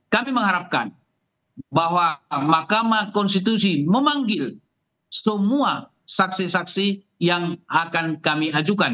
kami mengharapkan bahwa mahkamah konstitusi memanggil semua saksi saksi yang akan kami ajukan